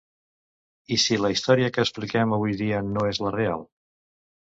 I si la història que expliquem avui dia no és la real?